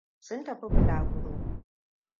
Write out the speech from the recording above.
Sun tafi bulaguro.